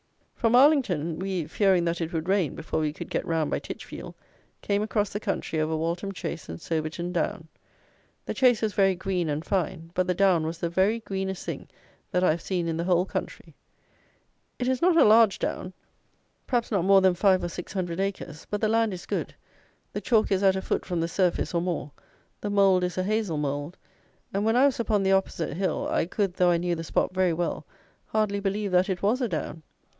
From Arlington, we, fearing that it would rain before we could get round by Titchfield, came across the country over Waltham Chase and Soberton Down. The chase was very green and fine; but the down was the very greenest thing that I have seen in the whole country. It is not a large down; perhaps not more than five or six hundred acres; but the land is good, the chalk is at a foot from the surface, or more; the mould is a hazel mould; and when I was upon the opposite hill, I could, though I knew the spot very well, hardly believe that it was a down.